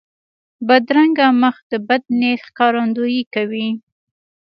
بدرنګه مخ د بد نیت ښکارندویي کوي